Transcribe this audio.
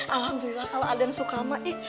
alhamdulillah kalau ada yang suka sama